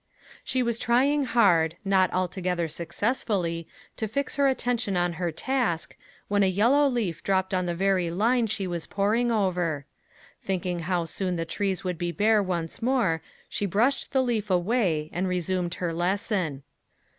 She was trying hard, not altogether successfully, to fix her attention on her task, when a yellow leaf dropped on the very line she was poring over. Thinking how soon the trees would be bare once more, she brushed the leaf away, and resumed her lesson.